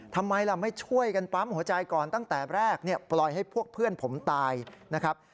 ทำไมล่ะไม่ช่วยกันปั๊มหัวใจก่อนตั้งแต่แรกปล่อยให้พวกเพื่อนผมตายนะครับ